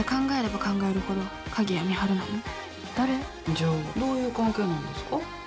じゃあどういう関係なんですか？